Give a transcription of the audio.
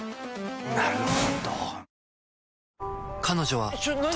なるほど。